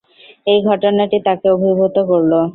এই ঘটনাটি তাকে অভিভূত করল।